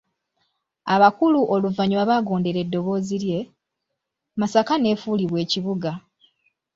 Abakulu oluvannyuma baagondera eddoboozi lye, Masaka n'efuulibwa ekibuga.